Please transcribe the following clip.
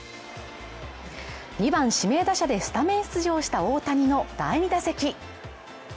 ２番指名打者でスタメン出場した大谷の第２打席。